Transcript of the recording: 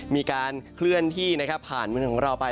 มีการเคลื่อนที่ผ่านเมืองของเราไป